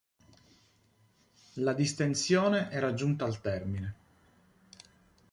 La distensione era giunta al termine.